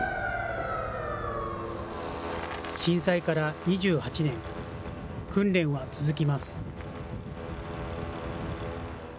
震災から２８年、訓練は続きます。